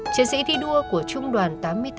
chiến sĩ thi đua của trung đoàn tám mươi tám